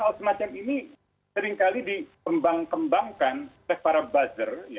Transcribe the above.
nah hal hal semacam ini seringkali dikembangkan oleh para buzzer